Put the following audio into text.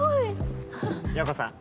洋子さん